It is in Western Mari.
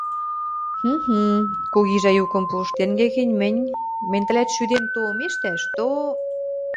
— Хм! хм! — кугижӓ юкым пуш, — тенге гӹнь, мӹнь... мӹнь тӹлӓт шӱдем то омештӓш, то...